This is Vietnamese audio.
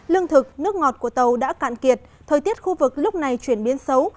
lương thực nước ngọt của tàu đã cạn kiệt thời tiết khu vực lúc này chuyển biến xấu